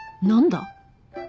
何だ？